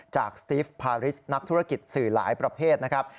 จากสติฟพาริสนักธุรกิจสื่อหลายประเภทนะครับ